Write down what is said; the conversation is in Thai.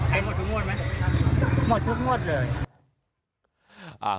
หมดทุกงวดเลย